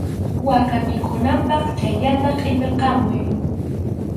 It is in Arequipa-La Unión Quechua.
Waka mikhunanpaq chhallata qʼipirqamuy.